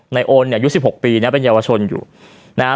โอนเนี่ยอายุสิบหกปีนะเป็นเยาวชนอยู่นะฮะ